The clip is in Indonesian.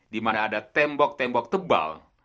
dimana ada tembok tembok tebal